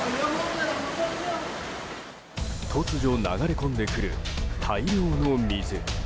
突如流れ込んでくる大量の水。